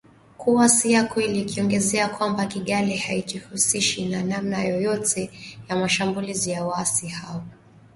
kuwa si ya kweli ikiongezea kwamba Kigali haijihusishi kwa namna yoyote na mashambulizi ya waasi hao nchini Demokrasia ya Kongo